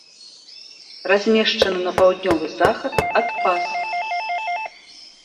Размешчаны на паўднёвы захад ад пас.